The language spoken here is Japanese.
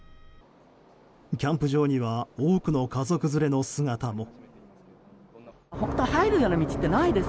キャンプ場には多くの家族連れの姿も。